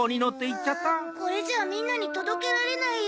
・ああこれじゃあみんなにとどけられないよ。